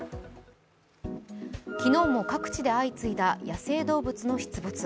昨日も各地で相次いだ野生動物の出没。